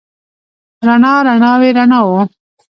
رڼا، رڼاوې، رڼاوو